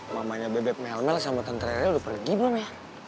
mamanya bebek melmel sama tentralnya udah pergi belum ya